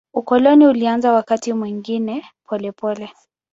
Ukoloni ulianza wakati mwingine polepole.